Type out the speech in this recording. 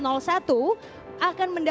oke kita akan mencari yang lainnya